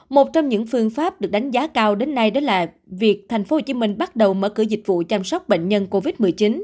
một trong những phương pháp được đánh giá cao đến nay đó là việc thành phố hồ chí minh bắt đầu mở cửa dịch vụ chăm sóc bệnh nhân covid một mươi chín